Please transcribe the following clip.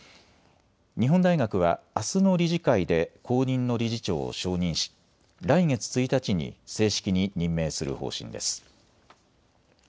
日本大学はあすの理事会で後任の理事長を承認し来月１日に正式に任命する方針です。